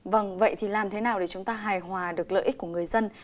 vâng vậy thì làm thế nào để chúng ta hài hòa được lợi ích của người dân